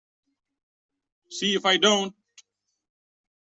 See if I don't!